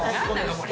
これ。